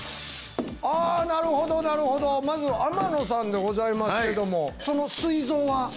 あなるほどなるほどまず天野さんでございますけどもそのすい臓は？